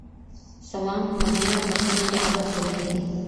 سلام، مننه، بخښنه د ادب کلیمې دي.